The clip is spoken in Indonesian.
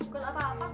buat apa apa kok